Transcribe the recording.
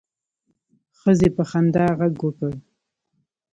ښځې په خندا غږ وکړ.